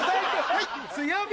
はい。